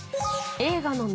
映画の都